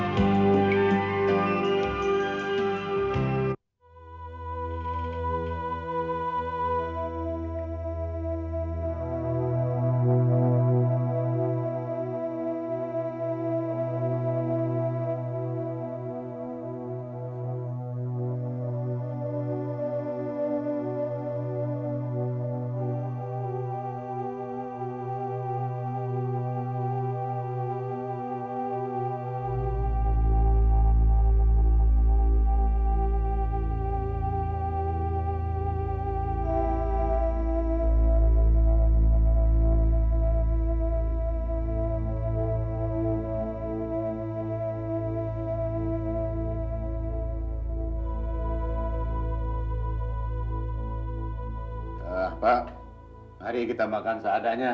sampai jumpa di video selanjutnya